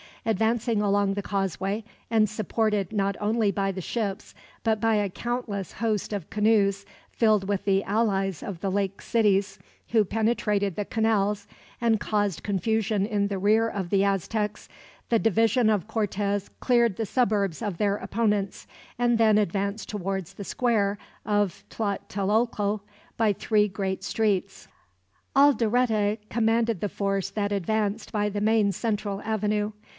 Advancing along the causeway, and supported not only by the ships, but by a countless host of canoes filled with the allies of the lake cities, who penetrated the canals, and caused confusion in the rear of the Aztecs, the division of Cortez cleared the suburbs of their opponents, and then advanced towards the square of Tlatelolco by three great streets. Alderete commanded the force that advanced by the main central avenue.